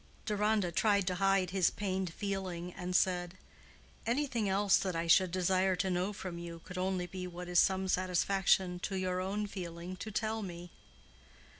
Deronda tried to hide his pained feeling, and said, "Anything else that I should desire to know from you could only be what it is some satisfaction to your own feeling to tell me."